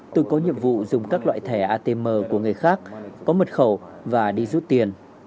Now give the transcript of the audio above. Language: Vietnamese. tôi có nhiệm vụ dùng các loại thẻ atm của người khác có mật khẩu và đi rút tiền